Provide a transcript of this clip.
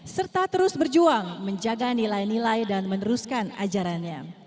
serta terus berjuang menjaga nilai nilai dan meneruskan ajarannya